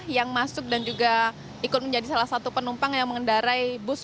yang masuk dan juga ikut menjadi salah satu penumpang yang mengendarai bus